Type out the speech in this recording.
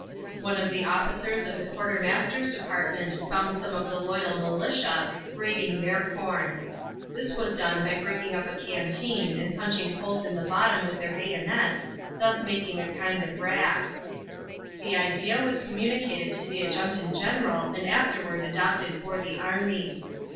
One of the officers of the quartermaster's department found some of the loyal militia grating their corn. This was done by breaking up a canteen and punching holes in the bottom with their bayonets, thus making a kind of rasp. The idea was communicated to the adjutant general and afterward adopted for the army.